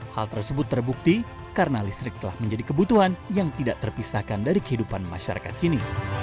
hal tersebut terbukti karena listrik telah menjadi kebutuhan yang tidak terpisahkan dari kehidupan masyarakat kini